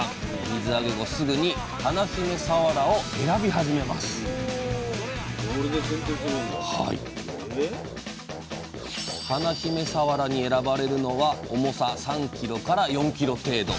水あげ後すぐに華姫さわらを選び始めます華姫さわらに選ばれるのは重さ３ｋｇ４ｋｇ程度。